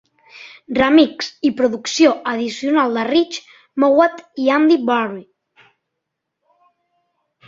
Remix i producció addicional de Rich Mowatt i Andy Bury.